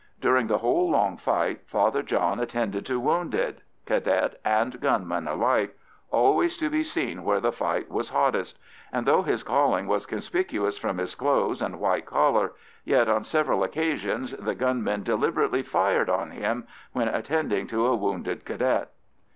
During the whole long fight Father John attended to wounded Cadet and gunman alike, always to be seen where the fight was hottest; and though his calling was conspicuous from his clothes and white collar, yet on several occasions the gunmen deliberately fired on him when attending to a wounded Cadet.